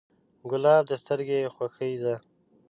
ګلاب د سترګو خوښي ده.